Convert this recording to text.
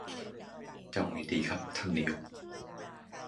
เอาไงครับท่านนายก